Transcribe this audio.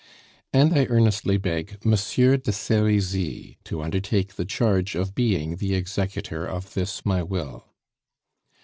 "And I earnestly beg Monsieur de Serizy to undertake the charge of being the executor of this my will.